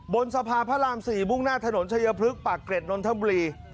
บนสะพานพระราม๔มุ่งหน้าถนนชายพลึกปากเกร็ดนนทบุรี